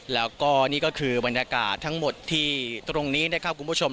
แล้วก็นี่ก็คือบรรยากาศทั้งหมดที่ตรงนี้นะครับคุณผู้ชม